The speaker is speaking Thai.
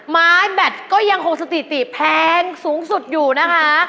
ไม้แบตก็ยังคงสถิติแพงสูงสุดอยู่นะคะ